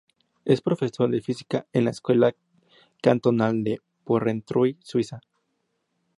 Es profesor de física en la escuela cantonal de Porrentruy, Suiza.